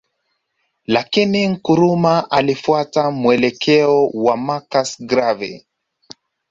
Lakini Nkrumah alifuata mwelekeo wa Marcus Garvey